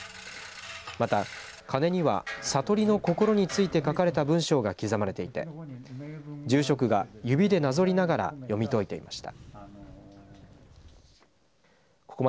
また、鐘には悟りの心について書かれた文章が刻まれていて住職が指でなぞりながら読み解いていました。